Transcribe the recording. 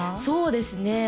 そうですね